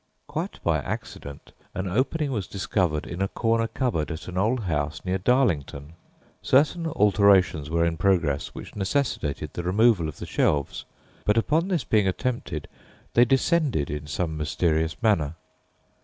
Quite by accident an opening was discovered in a corner cupboard at an old house near Darlington. Certain alterations were in progress which necessitated the removal of the shelves, but upon this being attempted, they descended in some mysterious manner.